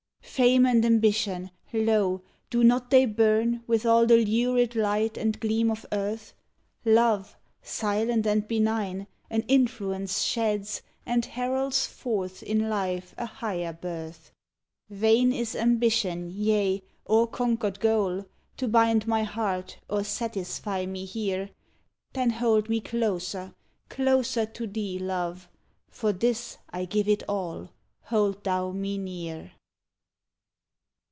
Fame and Ambition lo! do not they burn With all the lurid light and gleam of earth? Love, silent and benign, an influence sheds, And heralds forth in life a higher birth! Vain is ambition, yea, or conquered goal, To bind my heart or satisfy me here. Then hold me closer, closer to thee, Love; For this I give it all hold thou me near!